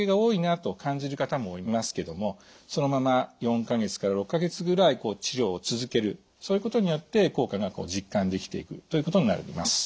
ですからそのまま４か月から６か月ぐらい治療を続けるそういうことによって効果が実感できていくということになります。